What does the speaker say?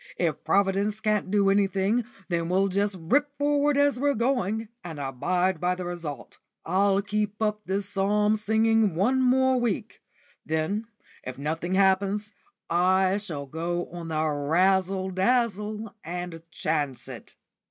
If Providence can't do anything, then we'll just rip forward as we're going, and abide by the result. I'll keep up this psalm singing one more week; then, if nothing happens, I shall go on the razzle dazzle, and chance it."